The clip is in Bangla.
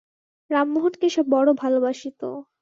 রামমােহনকে সে বড় ভালবাসিত।